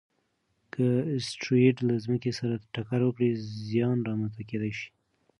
که اسټروېډ له ځمکې سره ټکر وکړي، زیان رامنځته کېدای شي.